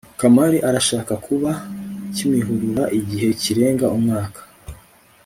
kamari arashaka kuba kimihurura igihe kirenga umwaka